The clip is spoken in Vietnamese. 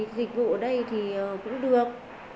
dịch vụ ở đây thì cũng được